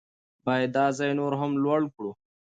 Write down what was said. باید دا ځای نور هم لوړ کړو.